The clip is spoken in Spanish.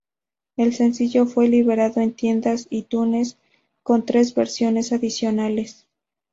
El sencillo fue liberado en tiendas iTunes con tres versiones adicionales.